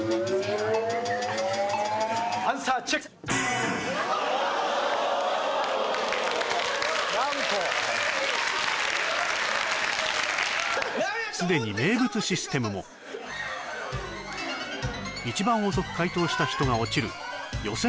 アンサーチェック何とすでに名物システムも一番遅く解答した人が落ちる予選